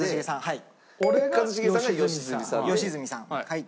はい。